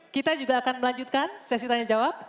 kita juga akan melanjutkan sesi tanya jawab